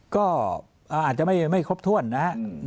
ก็อาจจะไม่ครบถ้วนนะครับ